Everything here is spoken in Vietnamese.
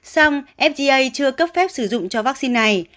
song fda chưa cấp phép sử dụng cho vắc xin này